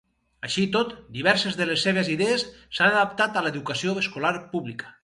Així i tot, diverses de les seves idees s'han adaptat a l'educació escolar pública.